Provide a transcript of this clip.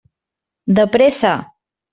De pressa!